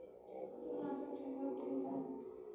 তিনি আসন ছাড়িয়া উঠিয়া দাঁড়ান।